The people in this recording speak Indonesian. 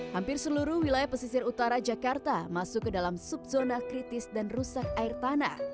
hampir seluruh wilayah pesisir utara jakarta masuk ke dalam subzona kritis dan rusak air tanah